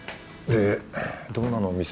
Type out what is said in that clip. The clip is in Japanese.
でどうなの？